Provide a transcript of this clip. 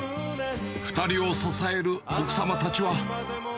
２人を支える奥様達は。